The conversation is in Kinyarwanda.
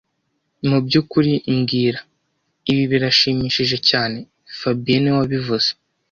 Mubyukuri mbwira Ibi birashimishije cyane fabien niwe wabivuze